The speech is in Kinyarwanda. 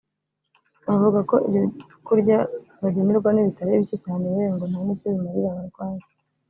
Bavuga ko ibyo kurya bagenerwa n’ibitaro ari bike cyane yewe ngo nta n’icyo bimarira abarwayi